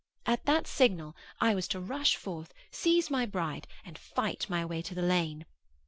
At that signal I was to rush forth, seize my bride, and fight my way to the lane.